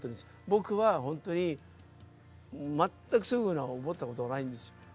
僕は本当に全くそういうふうなの思ったことがないんですよ。